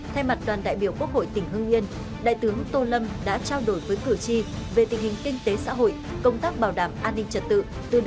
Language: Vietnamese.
thay mặt đoàn đại biểu quốc hội tỉnh hương yên đại tướng tô lâm đã trao đổi với cử tri về tình hình kinh tế xã hội công tác bảo đảm an ninh trật tự